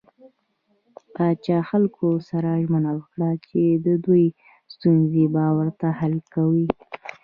پاچا خلکو سره ژمنه وکړه چې د دوي ستونزې به ورته حل کوي .